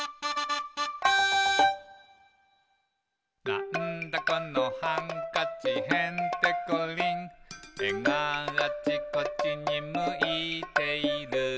「なんだこのハンカチへんてこりん」「えがあちこちにむいている」